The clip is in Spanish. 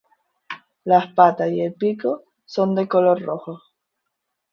Las patas y el pico son de color rojo.